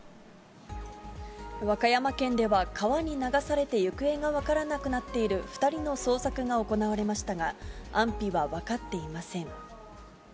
和歌山県では、川に流されて行方が分からなくなっている２人の捜索が行われましたが、安否は分かっていません。